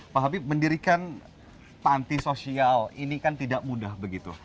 pak habib mendirikan panti sosial ini kan tidak mudah begitu